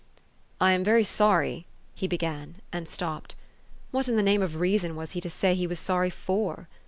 "I am very sorry," he began, and stopped. What in the name of reason was he to say he was sorry for?